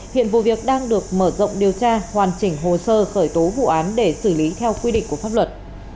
hiện vụ việc đang được mở rộng điều tra hoàn chỉnh hồ sơ khởi tố vụ án để xử lý theo quy định của pháp luật